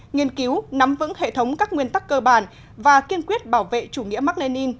nghiên cứu nắm vững hệ thống các nguyên tắc cơ bản và kiên quyết bảo vệ chủ nghĩa mạc lê ninh